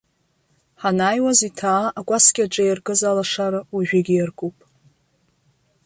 Ҳанааиуаз иҭаа акәасқьаҿы иаркыз алашара уажәыгьы иаркуп.